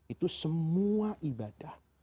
itu semua ibadah